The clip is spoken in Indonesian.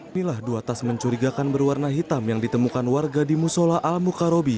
inilah dua tas mencurigakan berwarna hitam yang ditemukan warga di musola al mukarobi